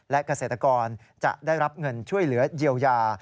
และเกษตรกรจะได้รับเงินช่วยเหลือเยียวยา